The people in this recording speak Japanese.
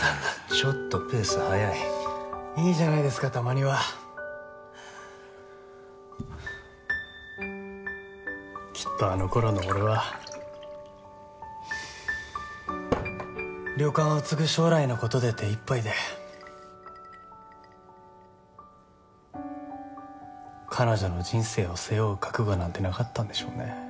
ちょっとペース速いいいじゃないですかたまにはきっとあの頃の俺は旅館を継ぐ将来のことで手いっぱいで彼女の人生を背負う覚悟なんてなかったんでしょうね